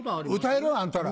歌える？あんたら。